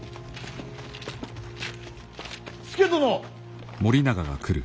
佐殿！